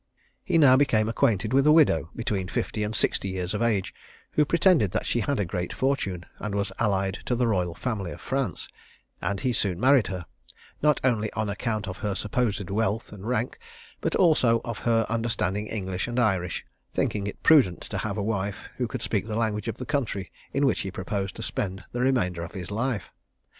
He now became acquainted with a widow, between fifty and sixty years of age, who pretended that she had a great fortune, and was allied to the royal family of France; and he soon married her, not only on account of her supposed wealth and rank, but also of her understanding English and Irish, thinking it prudent to have a wife who could speak the language of the country in which he proposed to spend the remainder of his life.